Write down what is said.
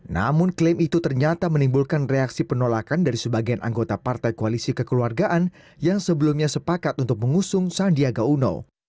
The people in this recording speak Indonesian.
namun klaim itu ternyata menimbulkan reaksi penolakan dari sebagian anggota partai koalisi kekeluargaan yang sebelumnya sepakat untuk mengusung sandiaga uno